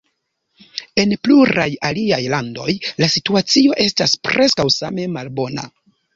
En pluraj aliaj landoj la situacio estas preskaŭ same malbona.